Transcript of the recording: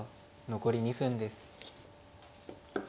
残り２分です。